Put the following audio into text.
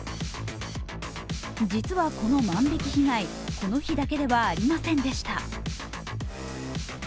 時２はこの万引き被害この日だけではありませんでした。